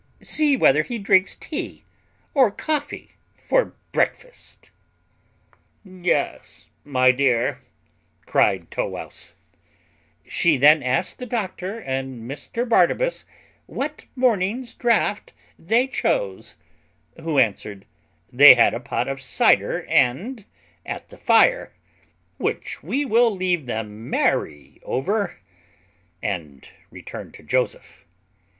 See whether he drinks tea or coffee for breakfast." "Yes, my dear," cried Tow wouse. She then asked the doctor and Mr Barnabas what morning's draught they chose, who answered, they had a pot of cyder and at the fire; which we will leave them merry over, and return to Joseph.